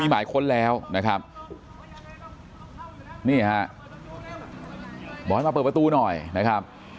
หมายค้นแล้วนะครับนี่ฮะบอกให้มาเปิดประตูหน่อยนะครับ